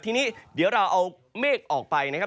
ทีนี้เดี๋ยวเราเอาเมฆออกไปนะครับ